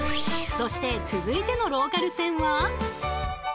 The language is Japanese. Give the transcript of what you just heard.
そして続いてのローカル線は。